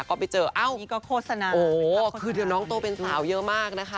ก็ไปเจอเอ้านี่ก็โฆษณาโอ้โหคือเดี๋ยวน้องโตเป็นสาวเยอะมากนะคะ